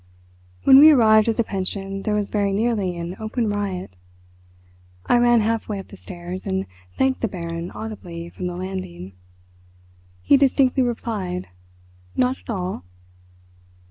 When we arrived at the pension there was very nearly an open riot. I ran half way up the stairs, and thanked the Baron audibly from the landing. He distinctly replied: "Not at all!"